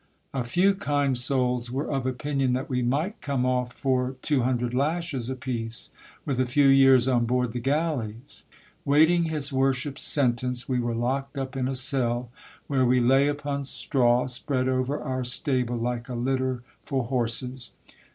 A few kind souls were of opinion that we might come off for two hundred lashes a piece, with a few years on board the galleys. Waiting his worship's sentence, we were locked up in a cell, where we lay upon straw, spread over our stable like a litter for horses.